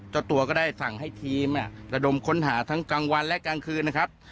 เจ้าตัวก็ได้สั่งให้ทีมระดมค้นหาทั้งกลางวันและกลางคืนนะครับ